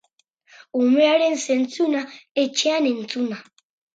Umearen zentzuna, etxean entzuna.